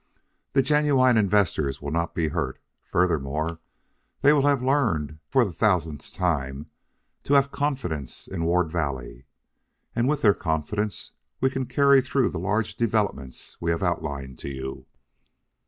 The genuine investors will not be hurt. Furthermore, they will have learned for the thousandth time to have confidence in Ward Valley. And with their confidence we can carry through the large developments we have outlined to you."